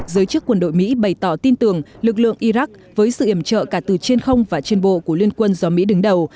giới chức quân đội mỹ bày tỏ tin tưởng lực lượng iraq với sự iểm trợ cả từ trên không và trên bộ của liên quân do mỹ đứng đầu